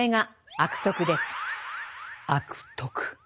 「悪徳」。